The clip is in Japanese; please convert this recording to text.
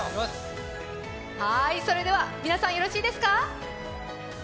それでは、皆さんよろしいですか？